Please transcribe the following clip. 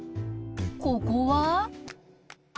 ここは？